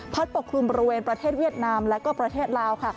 ปกคลุมบริเวณประเทศเวียดนามและก็ประเทศลาวค่ะ